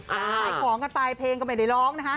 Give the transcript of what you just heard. ใส่ของกันไปเพลงก็ไม่ได้ร้อง